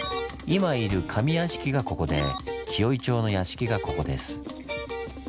今いる上屋敷がここで紀尾井町の屋敷がここです。